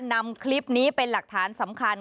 นำคลิปนี้เป็นหลักฐานสำคัญ